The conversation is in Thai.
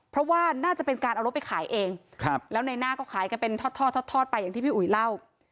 เพราะว่าน่าจะเป็นการเอารถไปขายเองแล้วในหน้าก็ขายกันเป็นทอดทอดไปอย่างที่พี่อุ๋ยเล่า